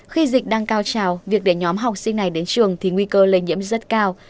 khi dịch đang cao trào việc để nhóm học sinh này đến trường thì nguy cơ lây nhiễm rất cao